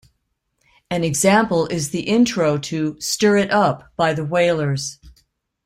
An example is the intro to "Stir It Up" by The Wailers.